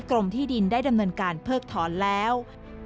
กรมที่ดินได้ดำเนินการเพิกถอนแล้ว